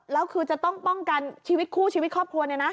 แล้วคือจะต้องป้องกันชีวิตคู่ชีวิตครอบครัวเนี่ยนะ